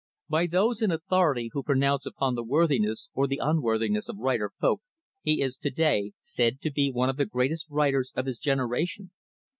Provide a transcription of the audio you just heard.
By those in authority who pronounce upon the worthiness or the unworthiness of writer folk, he is, to day, said to be one of the greatest writers of his generation.